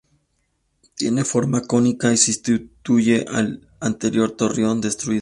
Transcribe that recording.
Tiene forma cónica y sustituye al anterior torreón, destruido.